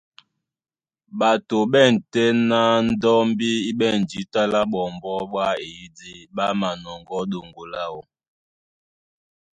Ɓato ɓá ɛ̂n tɛ́ ná ndɔ́mbí í ɓɛ̂n jǐta lá ɓɔmbɔ́ ɓá eyìdí, ɓá manɔŋgɔ́ ɗoŋgo láō.